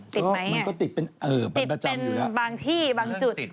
ติดไหมอ่ะติดเป็นบางที่บางจุดมันก็ติดเป็นปันประจำอยู่แล้ว